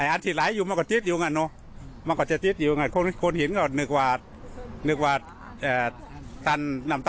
อันที่ไหลอยู่มากกว่านิดอยู่งั้น